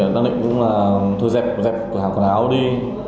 đang định thua dẹp hàng quần áo đi